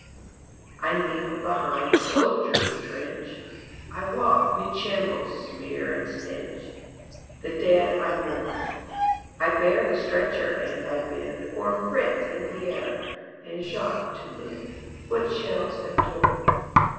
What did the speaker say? I kneel behind the soldier's trench, I walk 'mid shambles' smear and stench, The dead I mourn; I bear the stretcher and I bend O'er Fritz and Pierre and Jack to mend What shells have torn.